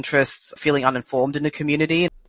perasaan tidak informasi dalam komunitas